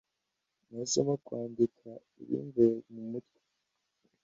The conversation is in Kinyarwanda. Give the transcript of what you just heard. Nahisemo kwandika ibimvuye mu mutwe